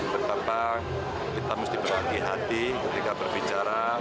betapa kita mesti berhati hati ketika berbicara